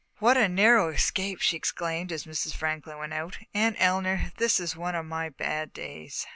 "What a narrow escape!" she exclaimed, as Mrs. Franklin went out. "Aunt Eleanor, this is one of my bad days."